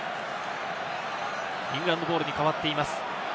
イングランドボールに変わっています。